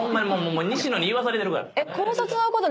西野に言わされてるから。